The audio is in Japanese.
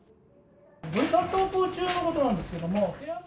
分散登校中のことなんですけれども。